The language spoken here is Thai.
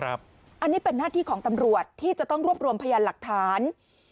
อันนี้เป็นหน้าที่ของตำรวจที่จะต้องรวบรวมพยานหลักฐาน